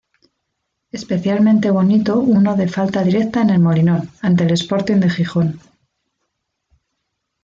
Especialmente bonito uno de falta directa en El Molinón ante el Sporting de Gijón.